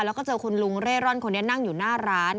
แล้วก็เจอคุณลุงเร่ร่อนคนนี้นั่งอยู่หน้าร้าน